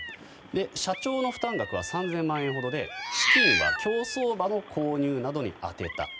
社長の負担額は３０００万円ほどで資金は競走馬の購入などに充てた。